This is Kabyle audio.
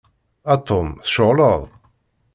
A Tom, tceɣleḍ?